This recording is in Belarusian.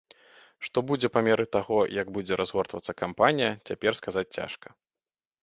Што будзе па меры таго, як будзе разгортвацца кампанія, цяпер сказаць цяжка.